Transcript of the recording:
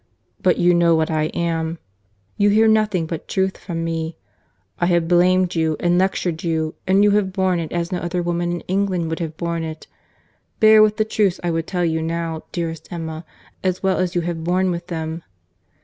But you know what I am.—You hear nothing but truth from me.—I have blamed you, and lectured you, and you have borne it as no other woman in England would have borne it.—Bear with the truths I would tell you now, dearest Emma, as well as you have borne with them.